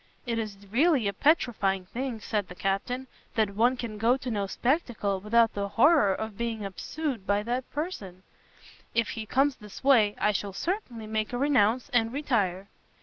"It is really a petrifying thing," said the Captain, "that one can go to no spectacle without the horreur of being obsede by that person! if he comes this way, I shall certainly make a renounce, and retire."